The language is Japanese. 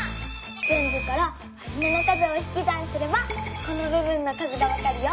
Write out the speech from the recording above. ぜんぶからはじめの数をひき算すればこのぶぶんの数がわかるよ！